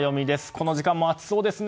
この時間も暑そうですね。